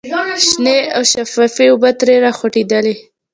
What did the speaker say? شنې او شفافې اوبه ترې را خوټکېدلې.